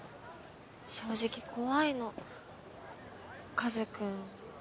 正直怖いの和くん